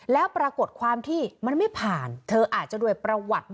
แล้วปรากฏความที่มันไม่ผ่านเธออาจจะด้วยประวัติ